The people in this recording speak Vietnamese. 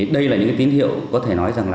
đây là những tín hiệu có thể nói rằng